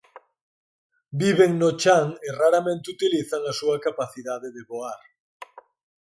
Viven no chan e raramente utilizan a súa capacidade de voar.